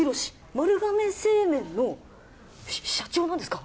丸亀製麺のしゃ社長なんですか？